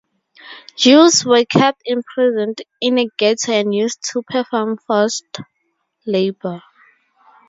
Jews were kept imprisoned in a ghetto and used to perform forced labor.